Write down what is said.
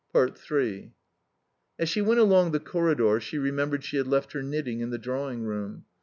3 As she went along the corridor she remembered she had left her knitting in the drawing room.